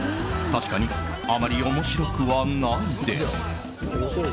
確かに、あまり面白くはないです。